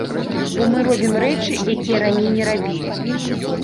Бо мы робім рэчы, якія раней не рабілі.